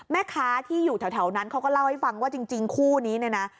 แม่ค้าที่อยู่แถวนั้นเขาก็เล่าให้ฟังว่าจริงคู่นี้เนี่ยนะ